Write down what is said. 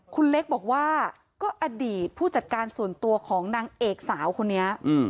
คุณเล็กบอกว่าก็อดีตผู้จัดการส่วนตัวของนางเอกสาวคนนี้